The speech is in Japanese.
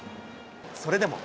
それでも。